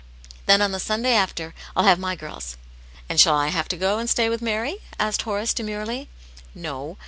Then on the Sunday after I'll have my girls." "And shall I have to go and stay with Mary?" asked Horace, demurely. "" No.